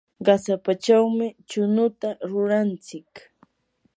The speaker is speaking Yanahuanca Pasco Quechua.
qasapachawmi chunuta ruranchik.